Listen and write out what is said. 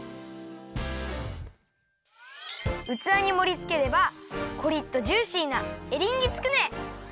うつわにもりつければコリッとジューシーなエリンギつくね！